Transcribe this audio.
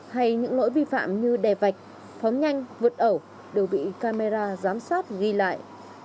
hay những lỗi vi phạm như đè vạch phóng nhanh vượt ẩu đều bị camera giám sát ghi lại